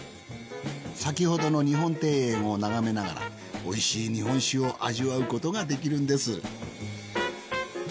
先ほどの日本庭園を眺めながらおいしい日本酒を味わうことができるんです。